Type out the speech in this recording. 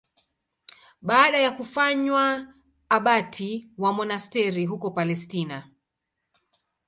Baada ya kufanywa abati wa monasteri huko Palestina.